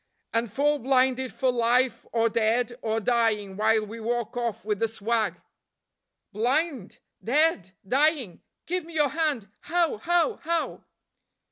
"And fall blinded for life or dead or dying while we walk off with the swag." "Blind, dead, dying! give me your hand. How? how? how?"